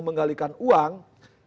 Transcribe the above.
menggalikan uang perusahaan juga